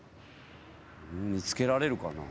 見つけられるかな？